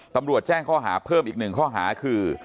ตำรวจแจ้งข้อหาเพิ่มอีกหนึ่งข้อหาคือ